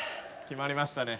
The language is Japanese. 決まりましたね。